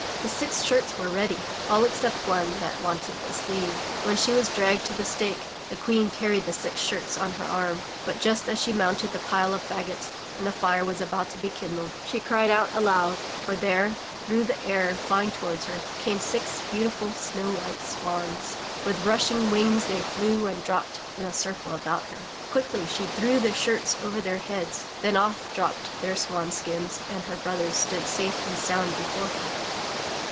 The six shirts were ready, all except one that wanted a sleeve. When she was dragged to the stake, the Queen carried the six shirts on her arm, but just as she mounted the pile of fagots, and the fire was about to be kindled, she cried out aloud, for there, through the air flying toward her, came six beautiful snow white swans. With rushing wings they flew and dropped in a circle about her. Quickly she threw the shirts over their heads. Then off dropped their swan skins and her brothers stood safe and sound before her.